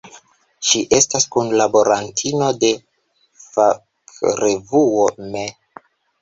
Ŝi estas kunlaborantino de fakrevuo "Me.